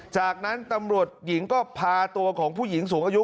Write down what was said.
จากนั้นตำรวจหญิงก็พาตัวของผู้หญิงสูงอายุ